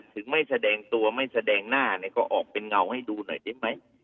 ถึงไม่แสดงตัวไม่แสดงหน้าเนี่ยก็ออกเป็นเงาให้ดูหน่อยได้ไหม